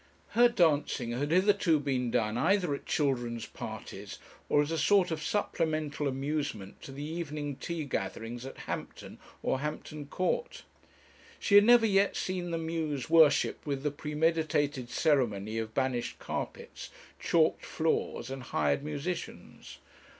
Her dancing had hitherto been done either at children's parties, or as a sort of supplemental amusement to the evening tea gatherings at Hampton or Hampton Court. She had never yet seen the muse worshipped with the premeditated ceremony of banished carpets, chalked floors, and hired musicians.